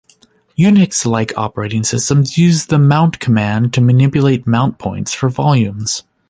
Unix-like operating systems use the mount command to manipulate mount points for volumes.